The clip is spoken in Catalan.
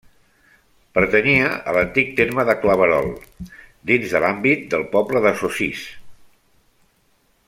Pertanyia a l'antic terme de Claverol, dins de l'àmbit del poble de Sossís.